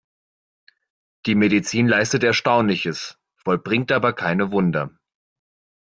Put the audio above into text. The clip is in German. Die Medizin leistet Erstaunliches, vollbringt aber keine Wunder.